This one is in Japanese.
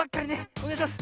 おねがいします。